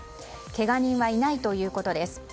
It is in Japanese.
けが人はいないということです。